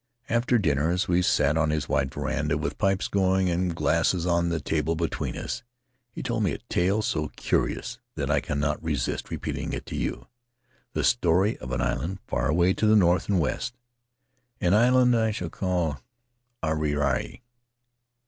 After dinner, as we sat on his wide veranda with pipes going and glasses on the table between us, he told me a tale so curious that I cannot resist repeating it to you — the story of an island far away to the north and west — an island I shall call Ariri.